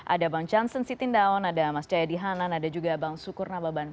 ada bang jansen sitindaon ada mas jayadi hanan ada juga bang sukur nababan